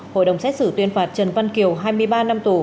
hội đồng xét xử tuyên phạt trần văn kiều hai mươi ba năm tù